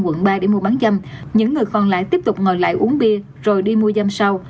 quận ba để mua bán dâm những người còn lại tiếp tục ngồi lại uống bia rồi đi mua dâm sau